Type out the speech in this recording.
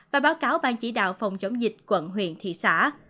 và báo cáo ban chỉ đạo phòng chống dịch quận huyện thị xã